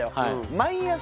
毎朝。